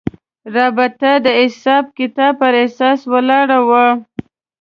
رابطه د حساب کتاب پر اساس ولاړه وه.